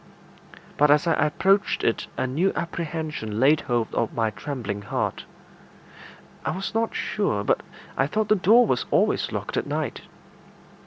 But as I approached it a new apprehension laid hold of my trembling heart. I was not sure, but I thought the door was always locked at night.